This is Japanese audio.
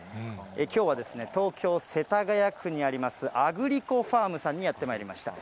きょうは東京・世田谷区にあります、アグリコファームさんにやってまいりました。